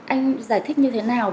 anh giải thích như thế nào